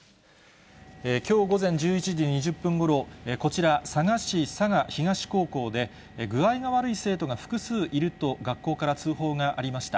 きょう午前１１時２０分ごろ、こちら、佐賀市佐賀東高校で、具合が悪い生徒が複数いると、学校から通報がありました。